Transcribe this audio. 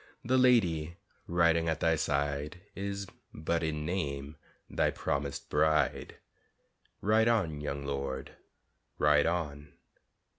The lady riding at thy side Is but in name thy promised bride, Ride on, young lord, ride on!